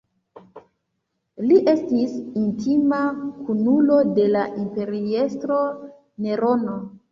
Li estis intima kunulo de la imperiestro Nerono.